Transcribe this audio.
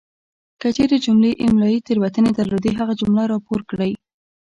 کچیري جملې املائي تیروتنې درلودې هغه جمله راپور کړئ!